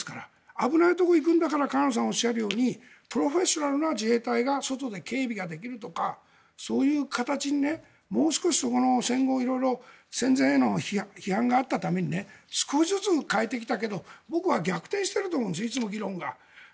危ないところに行くんだから河野さんがおっしゃるようにプロフェッショナルな自衛隊が外で警備ができるとかそういう形でもう少しそこの戦後、色々戦前への批判があったために少しずつ変えてきたけど僕は逆転していると思うんですいつも議論が。